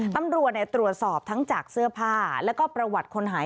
ตำรวจตรวจสอบทั้งจากเสื้อผ้าแล้วก็ประวัติคนหาย